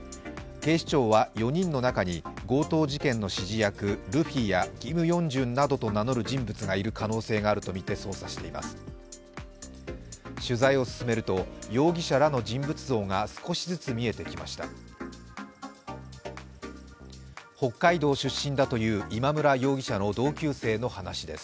警視庁は４人の中に強盗事件の指示役・ルフィやＫｉｍＹｏｕｎｇ−ｊｕｎなどと名乗る人物がいる可能性があるとみて捜査しています。